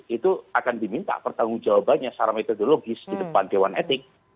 itu akan diminta pertanggung jawabannya secara metodologis di depan dewan etik